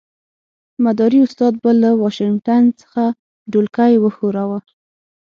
مداري استاد به له واشنګټن څخه ډولکی وښوراوه.